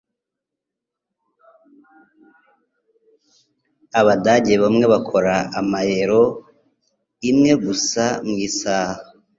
Abadage bamwe bakora amayero imwe gusa mu isaha.